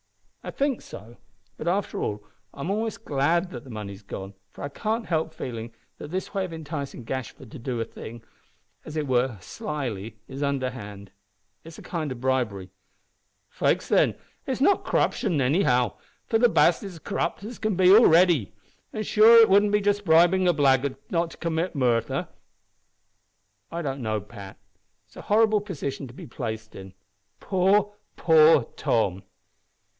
"I think so; but, after all, I'm almost glad that the money's gone, for I can't help feeling that this way of enticing Gashford to do a thing, as it were slily, is underhand. It is a kind of bribery." "Faix, then, it's not c'ruption anyhow, for the baste is as c'rupt as he can be already. An', sure, wouldn't it just be bribin' a blackguard not to commit murther?" "I don't know, Pat. It is a horrible position to be placed in. Poor, poor Tom!"